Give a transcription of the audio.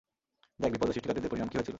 দেখ, বিপর্যয় সৃষ্টিকারীদের পরিণাম কি হয়েছিল?